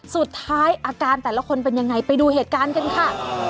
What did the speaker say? สุดท้ายอาการแต่ละคนเป็นยังไงไปดูเหตุการณ์กันค่ะ